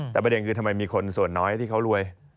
แต่ประเด็นคือทำไมมีคนส่วนน้อยที่เขารวย